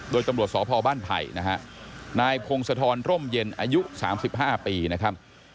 โดยตำรวจสอบภอบ้านไผ่นะฮะนายคงสะทอนร่มเย็นอายุสามสิบห้าปีนะครับ